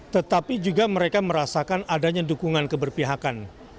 tetapi juga mereka merasakan adanya dukungan keberpihakan